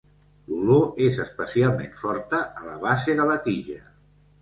L'olor és especialment forta a la base de la tija.